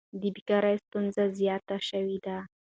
د بیکارۍ ستونزه زیاته شوې ده.